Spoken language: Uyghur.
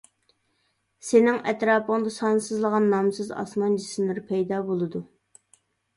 سېنىڭ ئەتراپىڭدا سانسىزلىغان نامسىز ئاسمان جىسىملىرى پەيدا بولىدۇ.